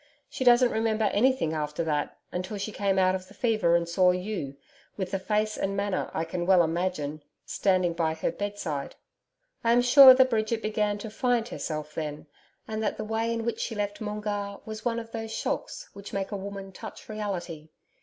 She doesn't remember anything after that, until she came out of the fever and saw you with the face and manner I can well imagine standing by her bedside. I am sure that Bridget began to 'find herself' then, and that the way in which she left Moongarr was one of those shocks which make a woman touch reality.